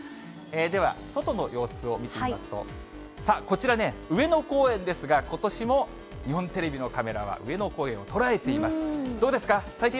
では外の様子を見てみますと、さあ、こちらね、上野公園ですが、ことしも日本テレビのカメラは上野公園を捉えています。